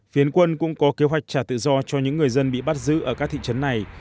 phiến quân cũng có kế hoạch trả tự do cho những người dân bị bắt giữ ở các thị trấn này